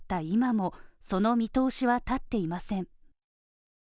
今も、その見通しは立っていません。